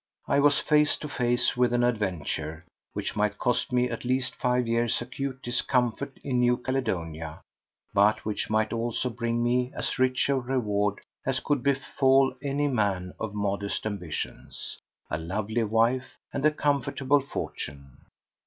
I was face to face with an adventure which might cost me at least five years' acute discomfort in New Caledonia, but which might also bring me as rich a reward as could befall any man of modest ambitions: a lovely wife and a comfortable fortune.